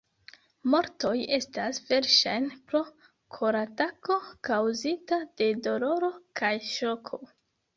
Mortoj estas verŝajne pro koratako kaŭzita de doloro kaj ŝoko.